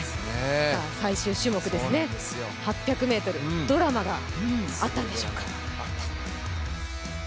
さあ最終種目ですね、８００ｍ、ドラマがあったんでしょうか